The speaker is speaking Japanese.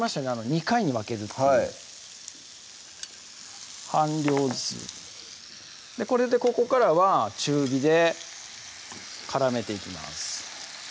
２回に分けるっていう半量ずつこれでここからは中火で絡めていきます